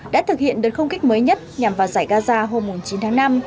đã thực hiện đợt không kích mới nhất nhằm vào giải gaza hôm chín tháng năm